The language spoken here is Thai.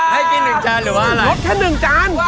ให้กิน๑จานหรือว่าอะไร